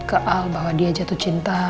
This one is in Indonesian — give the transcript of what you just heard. ke al bahwa dia jatuh cinta